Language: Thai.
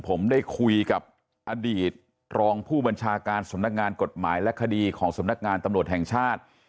ผมได้คุยกับอดีตรองผู้บัญชาการสำนักงานกฎหมายและคดีของสำนักงานตำรวจแห่งชาติ